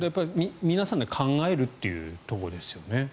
皆さんで考えるということですよね。